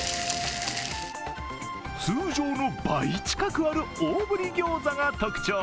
通常の倍近くあるおおぶりギョーザが特徴。